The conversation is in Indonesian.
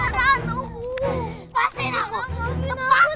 lepaskan aku lepaskan